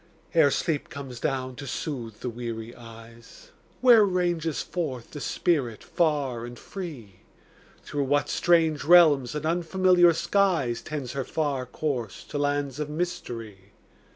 Ere sleep comes down to soothe the weary eyes, Where ranges forth the spirit far and free? Through what strange realms and unfamiliar skies. Tends her far course to lands of mystery?